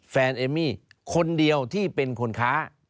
เอมมี่คนเดียวที่เป็นคนค้า